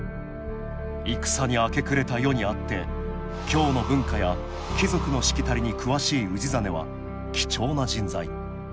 戦に明け暮れた世にあって京の文化や貴族のしきたりに詳しい氏真は貴重な人材。